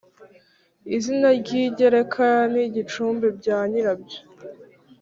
izina ry'ingereka n'icumbi bya nyirabyo